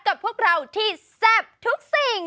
กับพวกเราที่แซ่บทุกสิ่ง